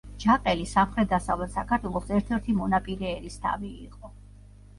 ჯაყელი სამხრეთ-დასავლეთ საქართველოს ერთ-ერთი მონაპირე ერისთავი იყო.